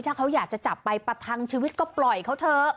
ถ้าเขาอยากจะจับไปประทังชีวิตก็ปล่อยเขาเถอะ